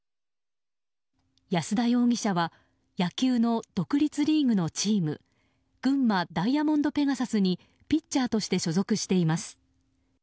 安田容疑者は野球の独立リーグのチーム群馬ダイヤモンドペガサスにピッチャーとして所属しています。